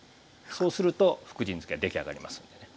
そうすると福神漬出来上がりますんでね。